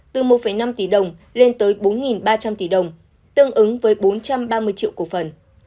từ một năm tỷ đồng lên tới bốn ba trăm linh tỷ đồng tương ứng với bốn trăm ba mươi triệu cổ phần